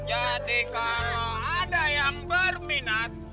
jadi kalau ada yang berminat